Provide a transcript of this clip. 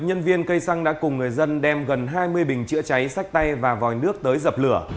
nhân viên cây xăng đã cùng người dân đem gần hai mươi bình chữa cháy sách tay và vòi nước tới dập lửa